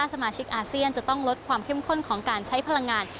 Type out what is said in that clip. สมาชิกอาเซียนจะต้องลดความเข้มข้นของการใช้พลังงาน